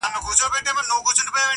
دا اوبه اورونو کي راونغاړه_